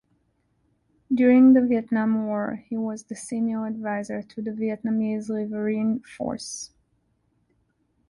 During the Vietnam War he was the senior adviser to the Vietnamese Riverine Force.